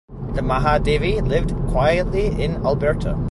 The Mahadevi lived quietly in Alberta.